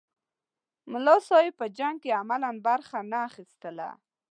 ملا صاحب په جنګ کې عملاً برخه نه اخیستله.